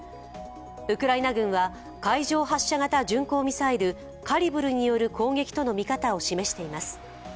ウクライナ軍は海上発射型巡航ミサイル、カリブルによる攻撃との見方を示しています。